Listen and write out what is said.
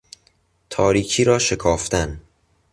تاریکی را شکافتن